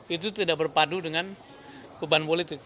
itu tidak berpadu dengan beban politik